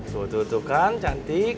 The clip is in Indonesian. tuh tuh tuh kan cantik